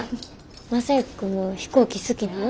正行君も飛行機好きなん？